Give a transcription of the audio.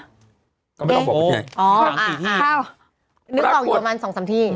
ฮะก็ไม่ต้องบอกว่าไงนึกออกอยู่ประมาณ๒๓ที่